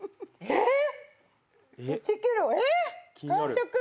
えっ！？